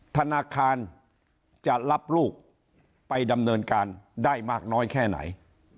ธนาคารจะรับลูกไปดำเนินการได้มากน้อยแค่ไหน